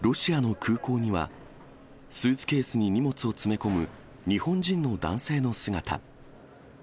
ロシアの空港には、スーツケースに荷物を詰め込む日本人の男性の姿。